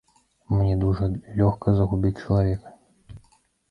Мне дужа лёгка загубіць чалавека.